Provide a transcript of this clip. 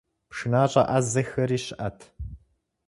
ПшынащӀэ Ӏэзэхэри щыӀэт.